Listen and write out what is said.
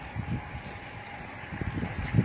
ถ้าไม่ได้ขออนุญาตมันคือจะมีโทษ